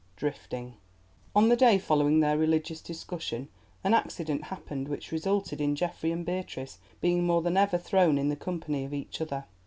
DRIFTING On the day following their religious discussion an accident happened which resulted in Geoffrey and Beatrice being more than ever thrown in the company of each other.